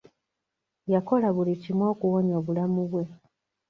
Yakola buli kimu okuwonya obulamu bwe.